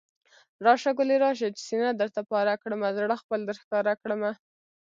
راشه ګلي راشه، چې سينه درته پاره کړمه، زړه خپل درښکاره کړمه